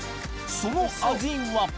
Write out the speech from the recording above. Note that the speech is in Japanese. その味は？